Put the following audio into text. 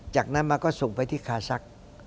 จากนั้นมาก็ส่งไปที่คาซัก